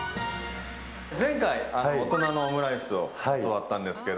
前回、大人のオムライスを教わったんですが。